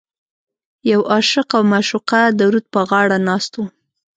یو عاشق او معشوقه د رود په غاړه ناست و.